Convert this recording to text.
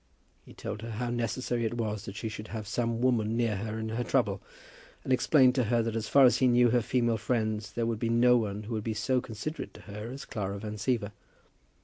He told her how necessary it was that she should have some woman near her in her trouble, and explained to her that as far as he knew her female friends, there would be no one who would be so considerate with her as Clara Van Siever.